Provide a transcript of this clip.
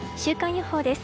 週間予報です。